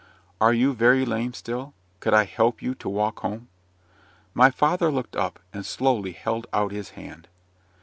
"Are you very lame still? Could I help you to walk home?" My father looked up, and slowly held out his hand.